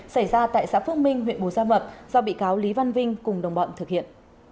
xảy ra tại xã phước minh huyện bù gia mập do bị cáo lý văn vinh cùng đồng bọn thực hiện